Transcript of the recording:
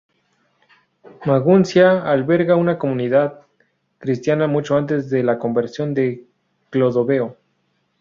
Maguncia albergaba una comunidad cristiana mucho antes de la conversión de Clodoveo.